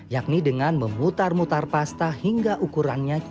yakni dengan memutar mutar pasta hingga ukurannya cukup